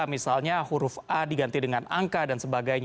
misalnya huruf a diganti dengan angka dan sebagainya